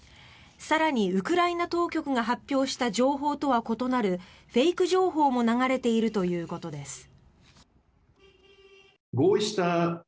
更にウクライナ当局が発表した情報とは異なるフェイク情報も流れているということです。